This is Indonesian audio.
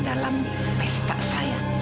dalam pesta saya